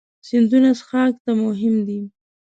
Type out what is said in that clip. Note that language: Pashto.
سیندونه څښاک ته مهم دي.